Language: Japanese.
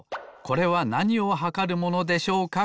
「これはなにをはかるものでしょうか？